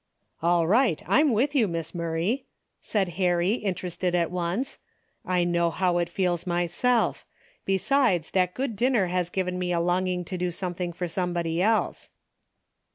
" All right, I'm with you. Miss Murray," said Harry, interested at once. " I know how it feels myself. Besides that good dinner has given me a longing to do something for some body else."